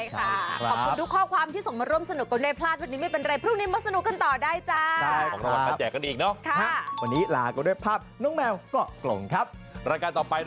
ใช่ค่ะขอบคุณทุกข้อความที่ส่งมาร่วมสนุกกโรย่พลาด